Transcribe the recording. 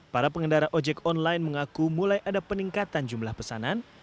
para pengendara ojek online mengaku mulai ada peningkatan jumlah pesanan